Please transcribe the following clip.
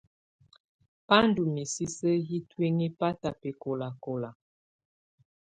Bá ndù misisi yɛ tuinyii bata bɛkɔlakɔla.